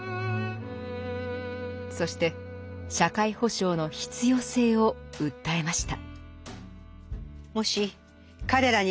そして社会保障の必要性を訴えました。